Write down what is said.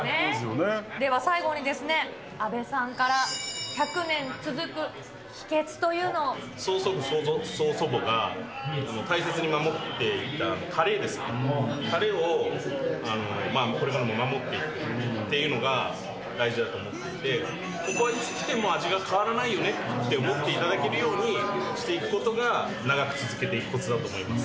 では、最後に阿部さんから曽祖父、曽祖母が大切に守ってきたたれですね、たれをこれからも守っていくっていうのが大事だと思ってるので、ここはいつ来ても味が変わらないよねって思ってもらえるようにしていくことが、長く続けていくこつだと思います。